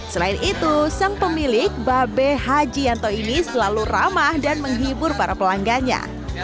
selain itu sang pemilik babe haji yanto ini selalu ramah dan menghibur para pelanggannya